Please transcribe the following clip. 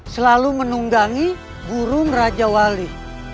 selalu menunggangi burung raja wali